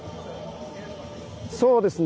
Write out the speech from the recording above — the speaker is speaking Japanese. そうですね。